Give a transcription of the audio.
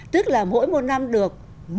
tức là mỗi một năm được